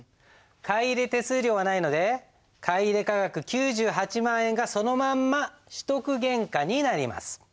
買入手数料はないので買入価額９８万円がそのまんま取得原価になります。